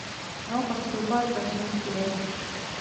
Naopak stoupá doba činnosti roje.